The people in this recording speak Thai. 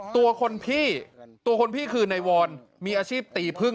ตัวคนพี่คือไนวอนมีอาชีพตีผึ้ง